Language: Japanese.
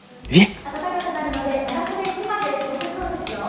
暖かくなるので長袖１枚で過ごせそうですよ。